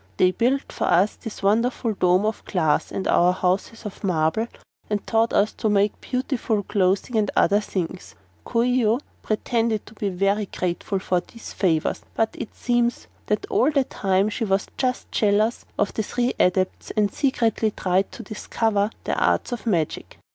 They built for us this wonderful dome of glass and our houses of marble and taught us to make beautiful clothing and many other things. Coo ee oh pretended to be very grateful for these favors, but it seems that all the time she was jealous of the three Adepts and secretly tried to discover their arts of magic.